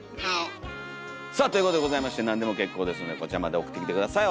さあということでございまして何でも結構ですのでこちらまで送ってきて下さい。